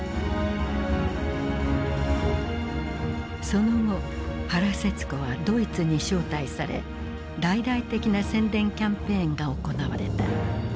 その後原節子はドイツに招待され大々的な宣伝キャンペーンが行われた。